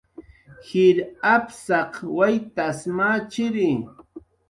Jir apsaq waytas machiri